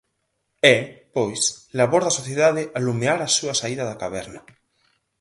É, pois, labor da sociedade alumear a súa saída da caverna.